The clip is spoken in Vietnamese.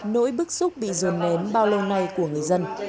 nỗi bức xúc bị ruồn nén bao lâu nay của người dân